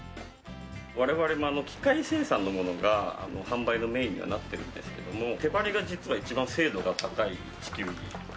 我々も機械生産のものが販売のメインにはなってるんですけども手貼りが実は一番精度が高い地球儀なんです。